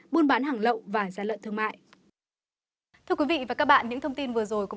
buôn bán hàng lậu và giá lận thương mại